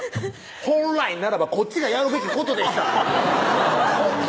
本来ならばこっちがやるべきことでしたほんま